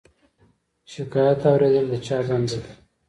شکایت اوریدل د چا دنده ده؟